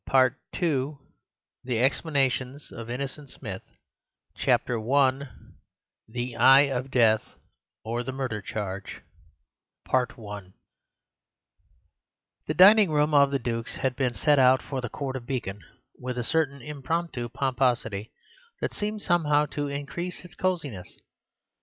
PART II THE EXPLANATIONS OF INNOCENT SMITH Chapter I The Eye of Death; or, the Murder Charge The dining room of the Dukes had been set out for the Court of Beacon with a certain impromptu pomposity that seemed somehow to increase its cosiness.